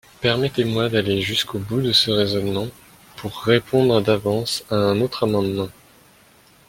Permettez-moi d’aller jusqu’au bout de ce raisonnement, pour répondre d’avance à un autre amendement.